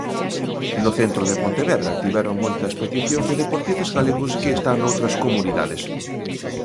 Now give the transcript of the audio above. No centro de Pontevedra tiveron moitas peticións de deportistas galegos que están noutras comunidades.